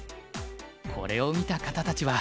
これを見た方たちは。